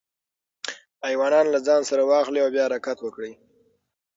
ایوانان له ځان سره واخلئ او بیا حرکت وکړئ.